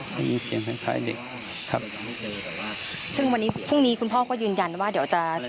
ได้ยินเสียงคล้ายเด็กครับซึ่งวันนี้พรุ่งนี้คุณพ่อก็ยืนยันว่าเดี๋ยวจะ